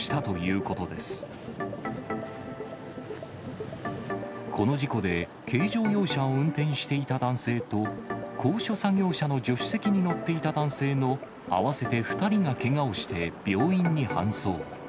この事故で、軽乗用車を運転していた男性と、高所作業車の助手席に乗っていた男性の合わせて２人がけがをして、病院に搬送。